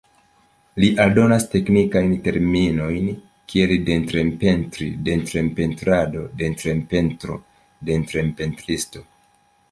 Li aldonas teknikajn terminojn kiel detrem-pentri, detrem-pentrado, detrem-pentro, detrem-pentristo.